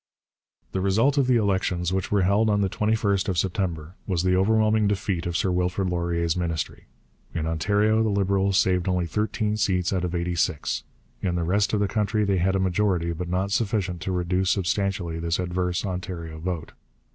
The result of the elections, which were held on the 21st of September, was the overwhelming defeat of Sir Wilfrid Laurier's Ministry. In Ontario the Liberals saved only thirteen seats out of eighty six. In the rest of the country they had a majority, but not sufficient to reduce substantially this adverse Ontario vote.